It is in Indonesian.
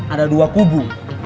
ada dua kubu